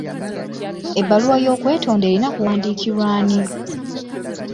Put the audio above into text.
Ebbaluwa y'okwetonda erina kuwandiikirwa ani?